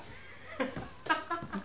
ハハハハハ。